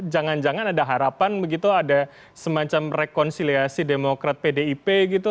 jangan jangan ada harapan begitu ada semacam rekonsiliasi demokrat pdip gitu